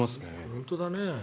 本当だね。